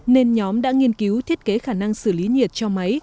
nên nhóm đã nghiên cứu thiết kế khả năng xử lý nhiệt cho máy